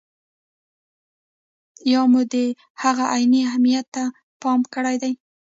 یا مو د هغه عیني اهمیت ته پام کړی دی.